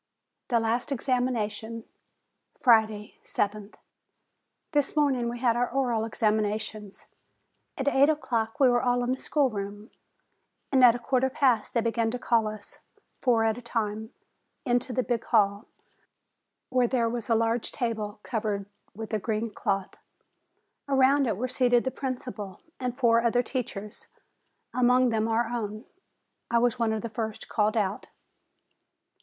THE LAST EXAMINATION 343 THE LAST EXAMINATION Friday, 7th. This morning we had our oral examinations. At eight o'clock we were all in the schoolroom, and at a quarter past they began to call us, four at a time, into the big hall, where there was a large table covered with a green cloth. Around it were seated the principal and four other teachers, among them our own. I was one of the first called out.